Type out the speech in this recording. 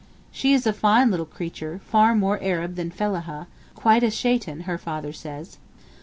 She is a fine little creature, far more Arab than fellaha; quite a Shaitan, her father says.